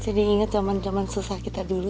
jadi inget zaman zaman susah kita dulu